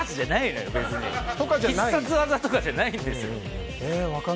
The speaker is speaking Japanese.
必殺技とかじゃないんです。